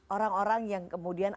orang orang yang kemudian